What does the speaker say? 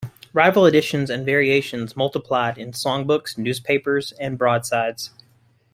Rival editions and variations multiplied in songbooks, newspapers and broadsides.